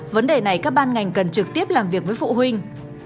vấn đề này các ban ngành cần trực tiếp làm việc với phụ huynh